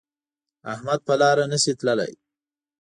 احمد په لاره نشي تللی